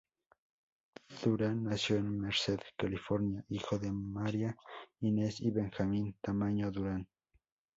Duran nació en Merced, California, hijo de Maria Inez y Benjamin Tamayo Duran.